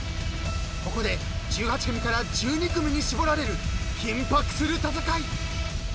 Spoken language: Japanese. ［ここで１８組から１２組に絞られる緊迫する戦い］